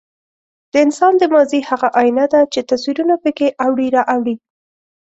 د انسان د ماضي هغه ایینه ده، چې تصویرونه پکې اوړي را اوړي.